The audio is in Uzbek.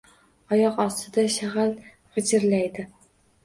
Oyoq ostida shagʼal gʼijirlaydi.